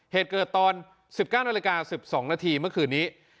เหตุเกิดตอน๑๙นาฬิกา๑๒นาทีเมื่อคืนนี้